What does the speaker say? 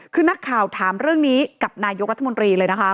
คือนักข่าวถามเรื่องนี้กับนายกรัฐมนตรีเลยนะคะ